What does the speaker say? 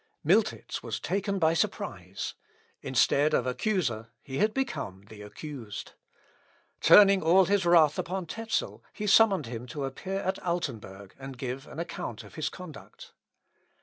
Miltitz was taken by surprise. Instead of accuser he had become the accused. Turning all his wrath upon Tezel, he summoned him to appear at Altenburg and give an account of his conduct.